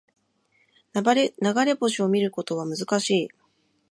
流れ星を見ることは難しい